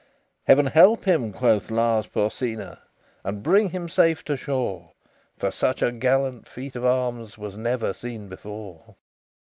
"Heaven help him!" quoth Lars Porsena "And bring him safe to shore; For such a gallant feat of arms Was never seen before."